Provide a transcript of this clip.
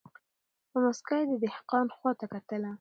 په موسکا یې د دهقان خواته کتله